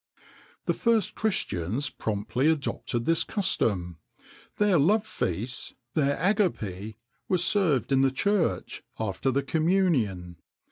[XXIX 80] The first Christians promptly adopted this custom: their love feasts their agapæ were served in the church, after the Communion.